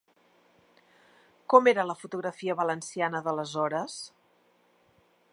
Com era la fotografia valenciana d’aleshores?